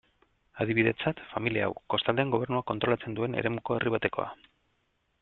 Adibidetzat, familia hau, kostaldean gobernuak kontrolatzen duen eremuko herri batekoa.